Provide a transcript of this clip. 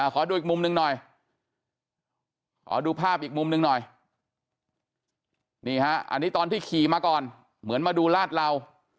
ขอดูภาพอีกมุมนึงหน่อยอันนี้ตอนที่ขี่มาก่อนเหมือนมาดูลาดเหล่า